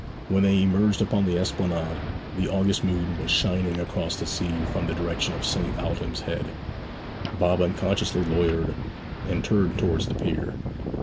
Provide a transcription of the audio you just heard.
When they emerged upon the esplanade, the August moon was shining across the sea from the direction of St. Aldhelm's Head. Bob unconsciously loitered, and turned towards the pier.